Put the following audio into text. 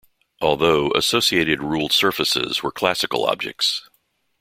Although, associated ruled surfaces were classical objects.